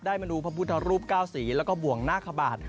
มาดูพระพุทธรูปเก้าสีแล้วก็บ่วงหน้าขบาด